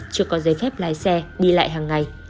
chưa có giấy phép lái xe đi lại hàng ngày